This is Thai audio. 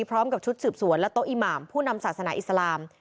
พร้อมกับชุดสืบสวนและโต๊ะอิหมามผู้นำศาสนาอิสลาม